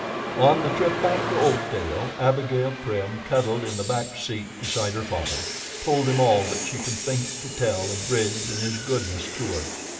On the trip back to Oakdale, Abigail Prim cuddled in the back seat beside her father, told him all that she could think to tell of Bridge and his goodness to her.